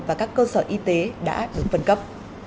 và các cơ sở y tế đã được phân cấp